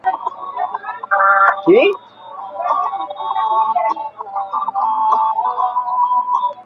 রাষ্ট্রপক্ষের সময় আবেদনের পরিপ্রেক্ষিতে আদালত আগামী রোববার পর্যন্ত শুনানি মুলতবি করেন।